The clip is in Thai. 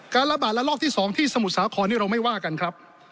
ระบาดระลอกที่๒ที่สมุทรสาครนี่เราไม่ว่ากันครับ